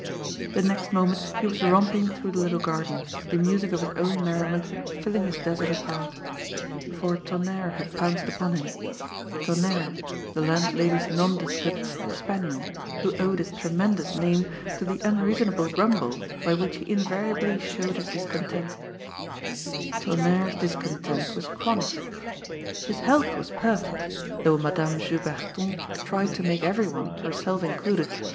The next moment he was romping through the little garden, the music of his own merriment filling his desolate heart ; for Tonnerre had pounced upon him— Tonnerre, th^ landlady's nondescript spaniel, who owed his tremendous name to the unreasonable rumble by which he invariably showed his discontent Tonnerre's discontent was chronic. LIGHT AND SHADE. 39 His health was perfect^ though Madame Jaberton tried to make everyone, herself included, belie?